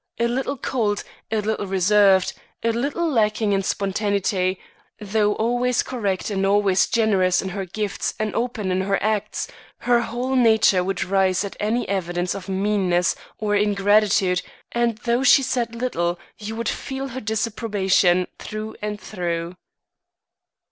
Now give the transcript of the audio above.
A little cold, a little reserved, a little lacking in spontaneity, though always correct and always generous in her gifts and often in her acts, her whole nature would rise at any evidence of meanness or ingratitude, and though she said little, you would feel her disapprobation through and through.